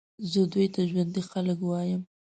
زه دوی ته ژوندي خلک وایم.